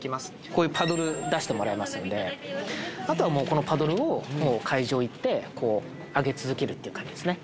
こういうパドル出してもらえますんであとはもうこのパドルを会場行ってこうあげ続けるって感じですね